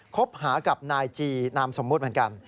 คบหากับนายจีนามสมมุติเหมือนกัน